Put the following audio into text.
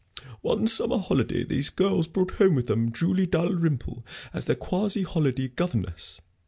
One summer holiday these girls brought home with them Julie Dalrymple as their quasi holiday governess.